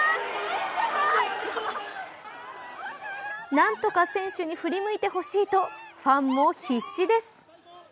なんとか選手に振り向いてほしいと、ファンも必死です。